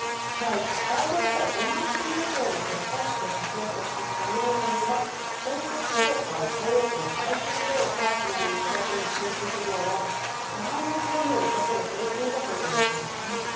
開業以来５万組以上の結婚式をサポートしできたニューオータニが婚活業界最大手のＩＢＪをパートナーに迎えての新規事業は互いの強みを生かせる取り組みだと思います。